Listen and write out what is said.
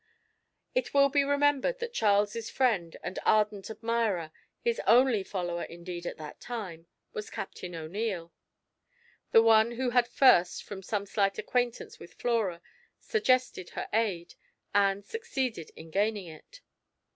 It will be remembered that Charles's friend, and ardent admirer his only follower, indeed, at that time was Captain O'Neil, the one who had first, from some slight acquaintance with Flora, suggested her aid, and, succeeded in gaining it.